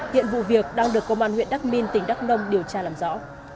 hiện vụ việc đang được công an huyện đắc minh tỉnh đắc nông điều tra làm rõ